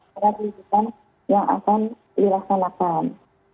para pernikahan yang akan dilaksanakan